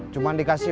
cuma dikasih uang